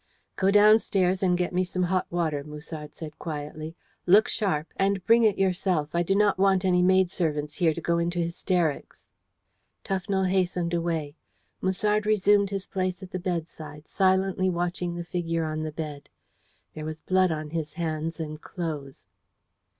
"Go downstairs and get me some hot water," said Musard quietly. "Look sharp and bring it yourself. I do not want any maidservants here to go into hysterics." Tufnell hastened away. Musard resumed his place at the bedside, silently watching the figure on the bed. There was blood on his hands and clothes.